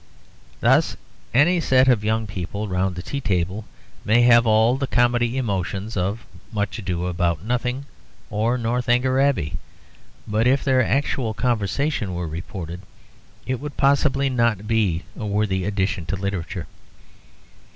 Thus any set of young people round a tea table may have all the comedy emotions of 'Much Ado about Nothing' or 'Northanger Abbey,' but if their actual conversation were reported, it would possibly not be a worthy addition to literature.